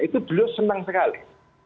itu beliau senang sekali